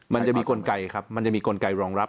มันจะมีกลไกรองรับ